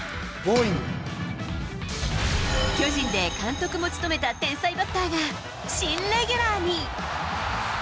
巨人で監督も務めた天才バッターが新レギュラーに！